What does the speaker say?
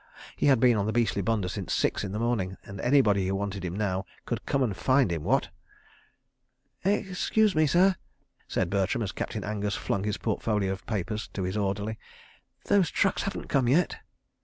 He had been on the beastly bunder since six in the morning—and anybody who wanted him now could come and find him, what? "Excuse me, sir," said Bertram as Captain Angus flung his portfolio of papers to his orderly, "those trucks haven't come yet."